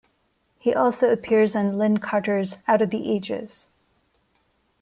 He also appears in Lin Carter's "Out of the Ages".